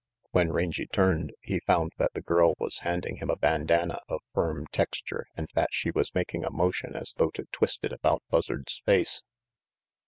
When Rangy turned, he found that the girl was handing him a bandana of firm texture and that she was making a motion as though to twist it about Buzzard's face.